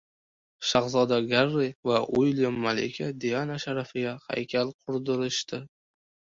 Shahzoda Garri va Uilyam malika Diana sharafiga haykal qurdirishdi